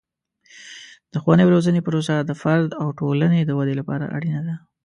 د ښوونې او روزنې پروسه د فرد او ټولنې د ودې لپاره اړینه ده.